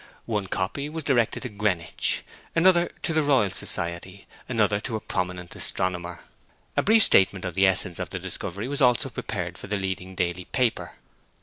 One copy was directed to Greenwich, another to the Royal Society, another to a prominent astronomer. A brief statement of the essence of the discovery was also prepared for the leading daily paper.